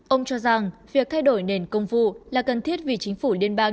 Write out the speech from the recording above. ông cho rằng việc thay đổi nền công vụ là cần thiết vì chính phủ liên bang